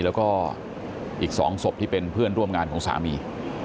และก็อีกสองศพภรรยาที่เป็นเพื่อนร่วมงานของสามี